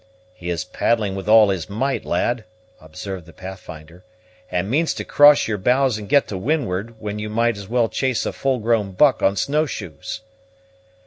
"He is paddling with all his might, lad," observed the Pathfinder, "and means to cross your bows and get to windward, when you might as well chase a full grown buck on snow shoes!"